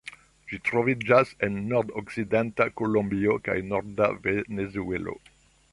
Ĝi troviĝas en nordokcidenta Kolombio kaj norda Venezuelo.